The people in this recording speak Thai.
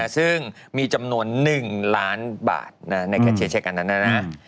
ซึ่งมีจำนวน๑ล้านบาทในการเช็คอันนั้นนะ